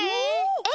え？